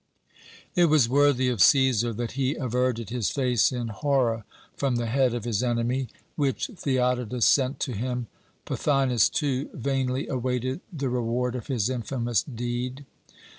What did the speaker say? "It was worthy of Cæsar that he averted his face in horror from the head of his enemy, which Theodotus sent to him. Pothinus, too, vainly awaited the reward of his infamous deed.